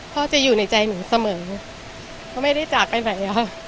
พ่อจะอยู่ในใจหนูเสมอไม่ได้จากไปไหน